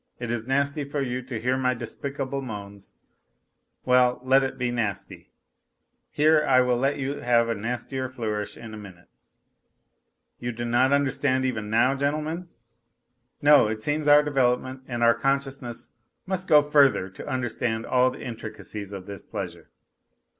It is nasty for you to hear my <lfspic;il,le moans : well, let it be nasty; here I will let you have a nastier flourish in a minute. ,,." You do not understand NOTES FROM UNDERGROUND 61 even now, gentlemen ? No, it seems our development and our consciousness must go further to understand all the intricacies of this pleasure.